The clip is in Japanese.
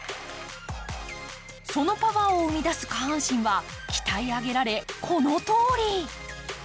そのパワーを生み出す下半身は鍛え上げられ、このとおり。